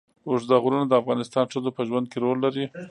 اوږده غرونه د افغان ښځو په ژوند کې رول لري.